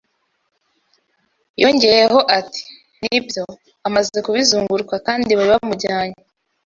Yongeyeho ati: "Nibyo," amaze kubizunguruka kandi bari bamujyanye